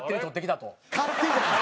勝手じゃない！